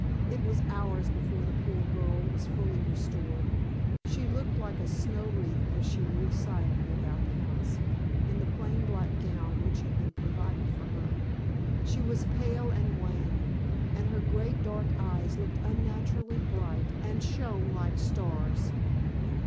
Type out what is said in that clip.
It was hours before the poor girl was fully restored. She looked like a snow wreath as she moved silently about the house, in the plain black gown which had been provided for her. She was pale and wan, and her great dark eyes looked unnaturally bright, and shone like stars.